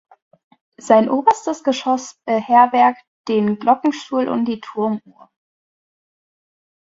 Sein oberstes Geschoss beherbergt den Glockenstuhl und die Turmuhr.